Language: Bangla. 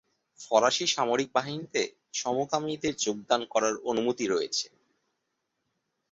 ফরাসী সামরিক বাহিনীতে সমকামীদের যোগদান করার অনুমতি রয়েছে।